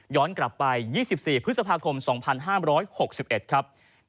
กลับไป๒๔พฤษภาคม๒๕๖๑ครับ